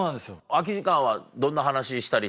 空き時間はどんな話したりしてたの？